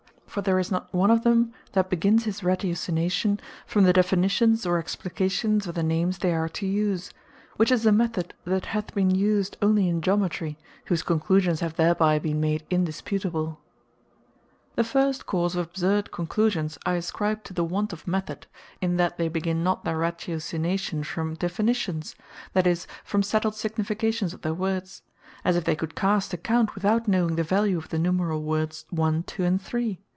For there is not one of them that begins his ratiocination from the Definitions, or Explications of the names they are to use; which is a method that hath been used onely in Geometry; whose Conclusions have thereby been made indisputable. Causes Of Absurditie The first cause of Absurd conclusions I ascribe to the want of Method; in that they begin not their Ratiocination from Definitions; that is, from settled significations of their words: as if they could cast account, without knowing the value of the numerall words, One, Two, and Three.